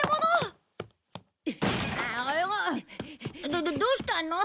どどどうしたの？